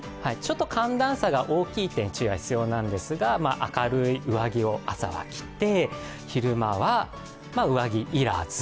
寒暖差が大きい点は注意が必要なんですが明るい上着を朝は着て昼間は上着要らず。